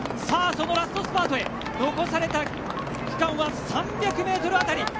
そのラストスパートへ残された区間は３００ｍ余り。